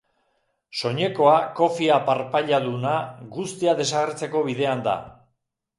Soinekoa, kofia parpailaduna, guztia desagertzeko bidean da.